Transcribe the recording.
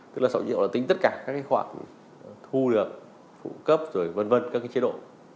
tức là sáu triệu là tính tất cả các khoản thu được phụ cấp rồi vân vân các cái chế độ